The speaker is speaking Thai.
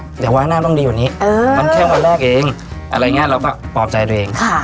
เดี๋ยวว่าหน้าต้องดีกว่านี้เออมันแค่วันแรกเองอะไรเงี้ยเราก็ปลอบใจดูเองค่ะ